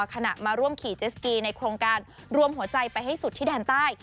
ขณะมาร่วมขี่เจสกีในโครงการรวมหัวใจไปให้สุดที่แดนใต้